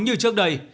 như trước đây